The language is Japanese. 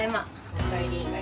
・おかえり。